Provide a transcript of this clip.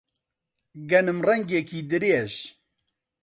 گەنم ڕەنگێکی درێژ